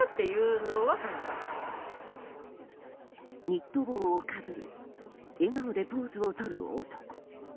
ニット帽をかぶり笑顔でポーズをとる男。